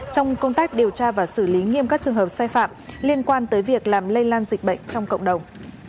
trong công tác điều tra và xử lý nghiêm các trường hợp sai phạm liên quan tới việc làm lây lan dịch bệnh trong cộng đồng